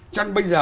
chứ bây giờ